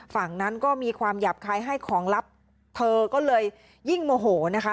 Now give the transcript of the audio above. ฝั่งนั้นก็มีความหยาบคลายให้ของลับเธอก็เลยยิ่งโมโหนะคะ